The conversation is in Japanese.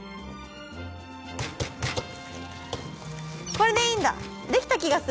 これでいいんだ！